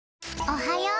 おはよう！